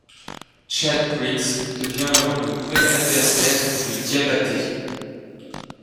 Chad Griggs devient alors le nouvel adversaire de Diabaté.